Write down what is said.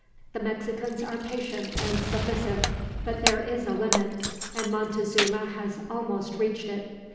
The Mexicans are patient and submissive, but there is a limit, and Montezuma has almost reached it.